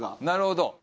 なるほど。